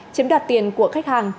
chiếm đạt tiền của khách hàng